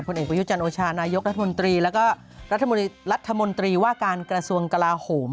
เอกประยุจันโอชานายกรัฐมนตรีแล้วก็รัฐมนตรีว่าการกระทรวงกลาโหม